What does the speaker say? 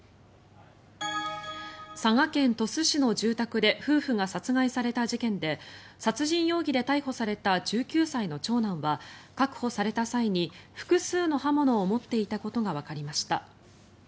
佐賀県鳥栖市の住宅で夫婦が殺害された事件で殺人容疑で逮捕された１９歳の長男は確保された際に複数の刃物を持っていたことがわかりました。